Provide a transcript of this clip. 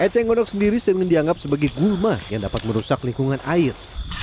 eceng gondok sendiri sering dianggap sebagai gulma yang dapat merusak lingkungan air